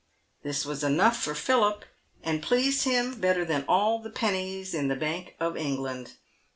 This was enough for Philip, and pleased him better than all the pennies in the Bank of England.